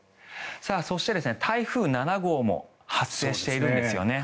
そして、台風７号も発生しているんですね。